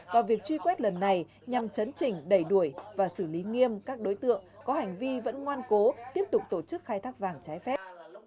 và việc truy quét lần này nhằm chấn chỉnh đẩy đuổi và xử lý nghiêm các đối tượng có hành vi vẫn ngoan cố tiếp tục tổ chức khai thác vàng trái phép